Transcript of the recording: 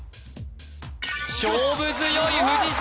勝負強い藤重